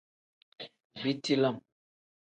Biti lam.